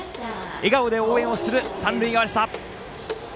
笑顔で応援をする三塁側でした。